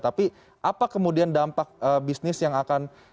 tapi apa kemudian dampak bisnis yang akan